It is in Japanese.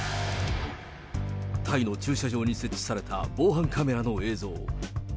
タイの駐車場に設置された防犯カメラの映像。